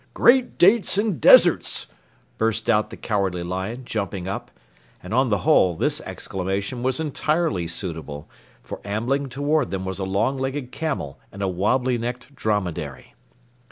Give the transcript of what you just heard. "Great dates and deserts!" burst out the Cowardly Lion, jumping up. And on the whole, this exclamation was entirely suitable, for ambling toward them were a long legged camel and a wobbly necked dromedary.